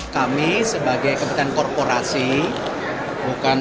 kami sebagai kepentingan korporasi bukan